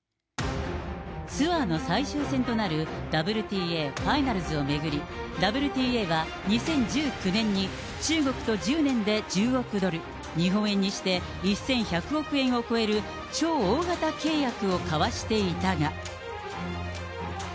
ツアーの最終戦となるＷＴＡファイナルズを巡り、ＷＴＡは２０１９年に、中国と１０年で１０億ドル、日本円にして１１００億円を超える、超大型契約を交わしていたが。